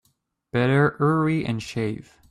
Better hurry and shave.